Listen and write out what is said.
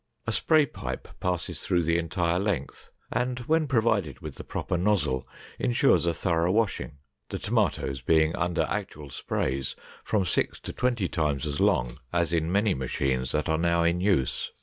A spray pipe passed through the entire length and, when provided with the proper nozzle, insures a thorough washing, the tomatoes being under actual sprays from six to twenty times as long as in many machines that are now in use.